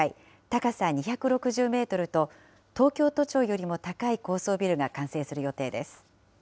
高さ２６０メートルと、東京都庁よりも高い高層ビルが完成する予定です。